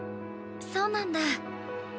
そうなんだ。